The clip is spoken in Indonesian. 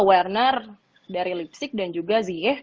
werner dari leipzig dan juga ziyech